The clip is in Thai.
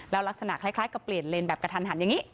ลักษณะคล้ายกับเปลี่ยนเลนแบบกระทันหันอย่างนี้